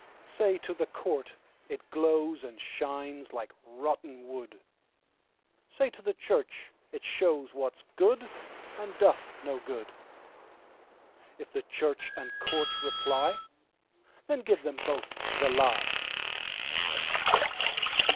Say to the court, it glowsAnd shines like rotten wood; Say to the church, it showsWhat's good, and doth no good:If church and court reply, Then give them both the lie.